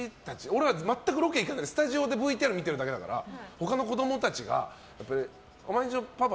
俺は全くロケ行かないスタジオでＶＴＲを見ているだけだから他の子どもたちがお前んちのパパ